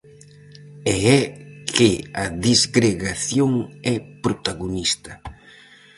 E é que a disgregación é protagonista.